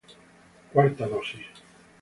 Cuarta dosis